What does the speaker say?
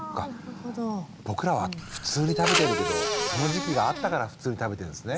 僕らは普通に食べてるけどその時期があったから普通に食べてるんですね。